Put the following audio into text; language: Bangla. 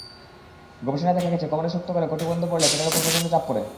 গবেষণায় দেখা গেছে, কোমরে শক্ত করে কটিবন্ধ পরলে পেটের ওপর প্রচণ্ড চাপ পড়ে।